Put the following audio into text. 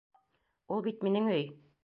Ул бит минең өй.